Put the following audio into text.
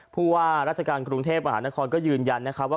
ผู้ว่าราชการกรุงเทพมหานครก็ยืนยันนะครับว่า